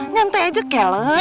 nyantai aja keles